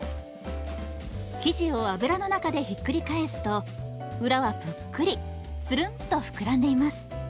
生地を油の中でひっくり返すと裏はぷっくりつるんとふくらんでいます。